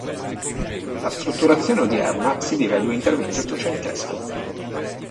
La strutturazione odierna si deve a due interventi ottocenteschi.